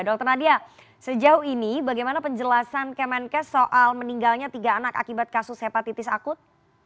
dr nadia sejauh ini bagaimana penjelasan kemenkes soal meninggalnya tiga anak akibat kasus hepatitis akut